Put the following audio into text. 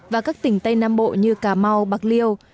và các tỉnh tây nam bộ như cà mau bạc liêu